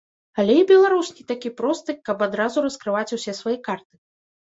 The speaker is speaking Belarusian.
Але і беларус не такі просты, каб адразу раскрываць усе свае карты.